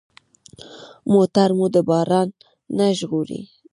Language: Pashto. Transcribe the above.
موټر مو د باران نه ژغوري.